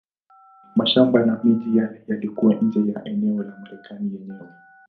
Mashamba na miji yale yalikuwa nje ya eneo la Marekani yenyewe.